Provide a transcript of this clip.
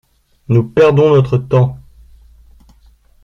Nous perdons notre temps !